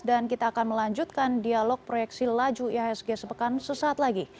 dan kita akan melanjutkan dialog proyeksi laju ihsg sepekan sesaat lagi